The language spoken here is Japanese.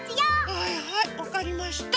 はいはいわかりました。